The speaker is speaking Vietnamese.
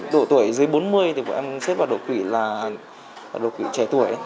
đổ tuổi dưới bốn mươi thì bọn em xếp vào độc quỷ là độc quỷ trẻ tuổi